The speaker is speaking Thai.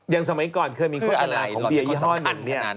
อย่างสมัยก่อนเคยมีความสำคัญของเบียร์ยี่ห้อหนึ่งเนี่ย